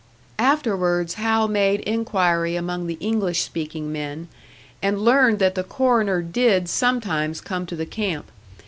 Afterwards Hal made inquiry among the English speaking men, and learned that the coroner did sometimes come to the camp.